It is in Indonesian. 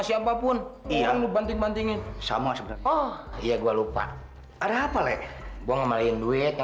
sampai jumpa di video selanjutnya